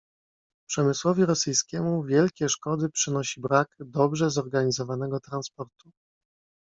"Przemysłowi rosyjskiemu wielkie szkody przynosi brak dobrze zorganizowanego transportu."